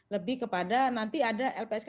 lebih kepada nanti ada lpsk